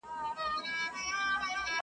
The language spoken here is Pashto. موږ د ده په تماشا یو شپه مو سپینه په خندا سي،